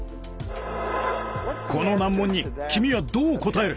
この難問に君はどう答える。